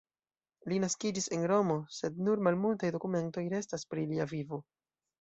Li naskiĝis en Romo, sed nur malmultaj dokumentoj restas pri lia vivo.